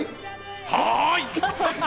はい！